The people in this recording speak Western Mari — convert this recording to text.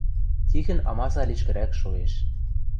Тихӹн амаса лишкӹрӓк шоэш.